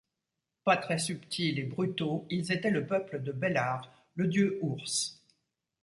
Pas très subtils et brutaux, ils étaient le peuple de Belar, le dieu Ours.